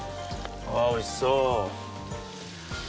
あおいしそ。